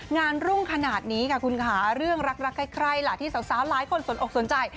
รุ่งขนาดนี้ค่ะคุณค่ะเรื่องรักใครล่ะที่สาวหลายคนสนอกสนใจ